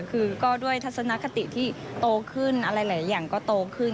คือก็ด้วยทัศนคติที่โตขึ้นอะไรหลายอย่างก็โตขึ้น